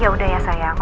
ya udah ya sayangnya